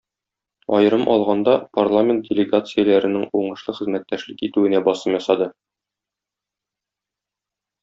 Аерым алганда, парламент делегацияләренең уңышлы хезмәттәшлек итүенә басым ясады.